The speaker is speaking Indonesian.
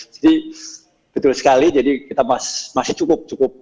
jadi betul sekali jadi kita masih cukup